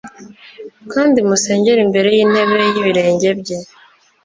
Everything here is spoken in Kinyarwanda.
kandi musengere imbere y'intebe y'ibirenge bye